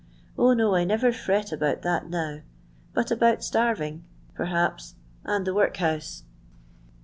0, no, I never fret about thai now ; but about starving, perhaps, and tiio worit house.